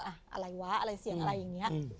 อะไรวะอะไรเสียงอะไรอย่างนี้